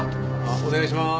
お願いします。